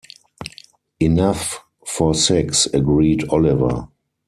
"Enough for six," agreed Oliver.